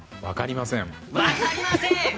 分かりません。